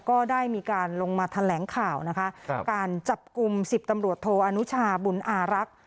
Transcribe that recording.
ก็ได้มีการลงมาแถลงข่าวนะคะการจับกลุ่ม๑๐ตำรวจโทอนุชาบุญอารักษ์